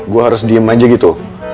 gue harus diem aja gitu